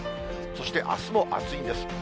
そしてあすも暑いんです。